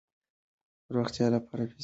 د روغتیا لپاره پیسې پکار دي.